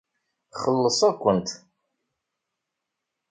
Xellṣeɣ-kent.